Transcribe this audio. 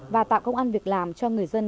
và tạo công an việc làm cho người dân